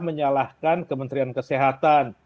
menyalahkan kementerian kesehatan